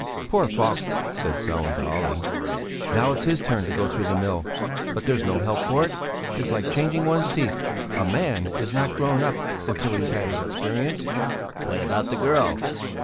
"Poor Falk!" said Sellén to Olle. "Now it's his turn to go through the mill. But there's no help for it; it's like changing one's teeth; a man is not grown up until he has had his experience." "What about the girl?"